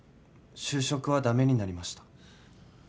就職は駄目になりました。